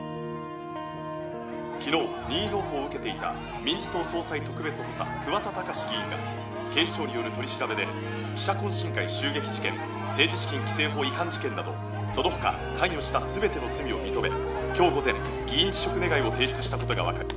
「昨日任意同行を受けていた民事党総裁特別補佐桑田宗司議員が警視庁による取り調べで記者懇親会襲撃事件政治資金規正法違反事件などその他関与した全ての罪を認め今日午前議員辞職願を提出した事がわかり」